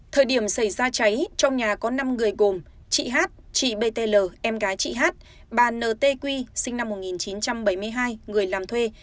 thời điểm xảy ra cháy trong nhà có năm người gồm chị h chị b t l em gái chị h bà n t q sinh năm một nghìn chín trăm bảy mươi hai người làm thuê